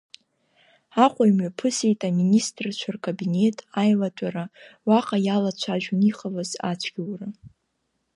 Аҟәа имҩаԥысит Аминистрцәа Ркабинет аилатәара, уаҟа иалацәажәон иҟалаз ацәгьоура.